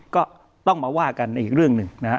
ก็ต้องมาว่ากันอีกเรื่องหนึ่ง